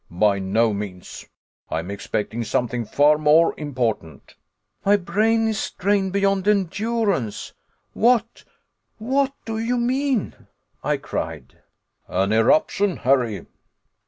By no means. I am expecting something far more important." "My brain is strained beyond endurance what, what do you mean?" I cried. "An eruption, Harry."